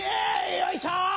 よいしょ。